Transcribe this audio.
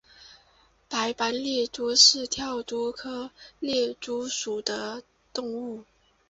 白斑猎蛛为跳蛛科猎蛛属的动物。